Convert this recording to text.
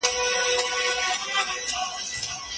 د خدای د رحمت دروازې خلاصې دي.